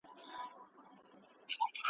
خو دا ته یوازي نه یې په دې غم کي ,